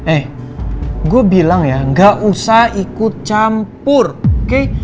eh gue bilang ya gak usah ikut campur oke